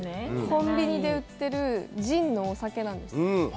コンビニで売ってるジンのお酒なんです。